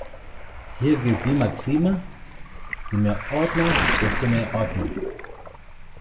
Hier gilt die Maxime: Je mehr Ordner, desto mehr Ordnung.